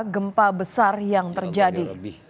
gempa besar yang terjadi